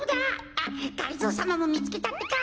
あっがりぞーさまもみつけたってか。